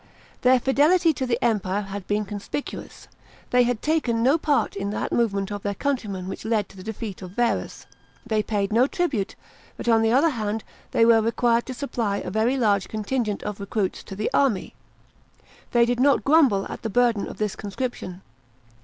Their fidelity to the Empire had been conspicuous ; they had taken no part in that movement of their countrymen which led to the defeat of Varus. They paid no tribute, but on the other hand, they were required to supply a very large contingent of recruits to the army. They did not grumble at the bu den of this conscription.